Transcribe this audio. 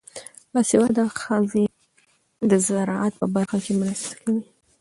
باسواده ښځې د زراعت په برخه کې مرسته کوي.